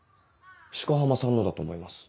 鹿浜さんのだと思います。